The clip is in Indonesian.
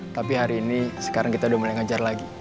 tapi hari ini sekarang kita udah mulai ngejar lagi